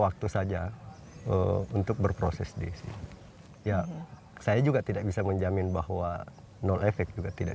waktu saja untuk berproses di sini ya saya juga tidak bisa menjamin bahwa nol efek juga tidak